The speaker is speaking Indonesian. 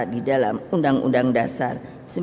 di dalam undang undang dasar seribu sembilan ratus empat puluh